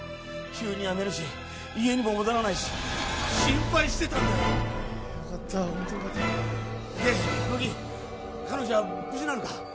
急に辞めるし家にも戻らないし心配してたんだよよかったホントよかったで乃木彼女は無事なのか？